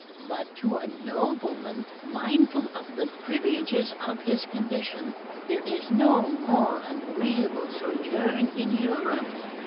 But to a nobleman mindful of the privileges of his condition there is no more agreeable sojourn in Europe.